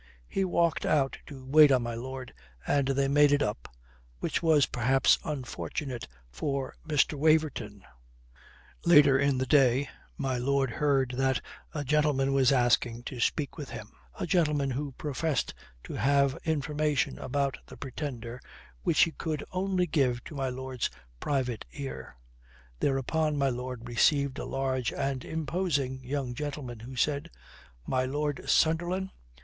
He walked out to wait on my lord, and they made it up, which was perhaps unfortunate for Mr. Waverton. Later in the day my lord heard that a gentleman was asking to speak with him, a gentleman who professed to have information about the Pretender which he could give only to my lord's private ear. Thereupon my lord received a large and imposing young gentleman, who said: "My Lord Sunderland?